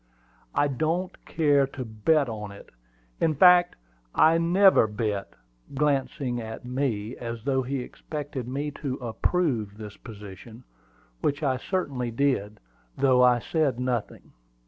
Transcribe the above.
"I don't care to bet on it; in fact I never bet," replied Mr. Cornwood, glancing at me, as though he expected me to approve this position, which I certainly did, though I said nothing.